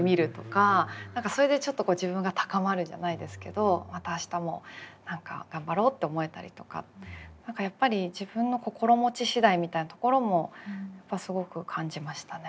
それでちょっと自分が高まるじゃないですけどまた明日も何か頑張ろうって思えたりとか何かやっぱり自分の心持ち次第みたいなところもすごく感じましたね。